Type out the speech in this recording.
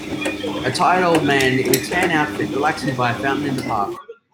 A tired old man in a tan outfit relaxing by a fountain in the park.